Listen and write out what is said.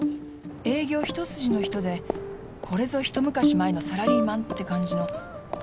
営業一筋の人でこれぞ一昔前のサラリーマンって感じのまじめな方でしたよ。